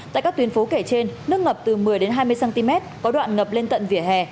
tại các tuyến phố kể trên nước ngập từ một mươi hai mươi cm có đoạn ngập lên tận vỉa hè